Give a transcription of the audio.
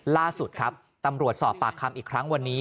ล่าสุดครับตำรวจสอบปากคำอีกครั้งวันนี้